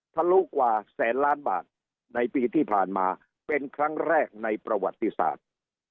ลูกว่าแสนล้านบาทในปีที่ผ่านมาเป็นครั้งแรกในประวัติศาสตร์